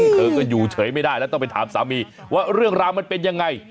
เธอก็อยู่เฉยไม่ได้แล้วต้องไปถามสามีว่าเรื่องราวมันเป็นยังไง